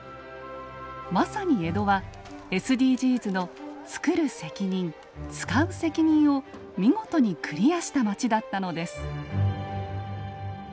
まさに江戸はＳＤＧｓの「つくる責任つかう責任」を見事にクリアした街だったのです。